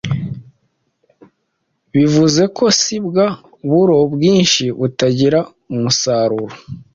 Bivuze ko si bwa buro bwinshi butagira umusaruro